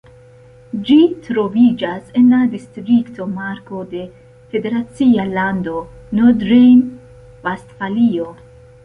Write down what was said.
Ĝi troviĝas en la distrikto Mark de la federacia lando Nordrejn-Vestfalio.